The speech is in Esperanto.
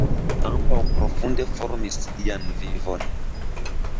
Ambaŭ profunde formis lian vivon.